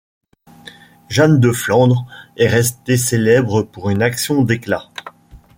Jeanne de Flandre est restée célèbre pour une action d'éclat.